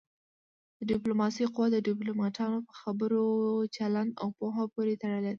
د ډيپلوماسی قوت د ډيپلوماټانو په خبرو، چلند او پوهه پورې تړلی دی.